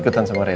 ikutan sama rena